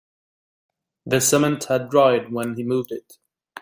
The cement had dried when he moved it.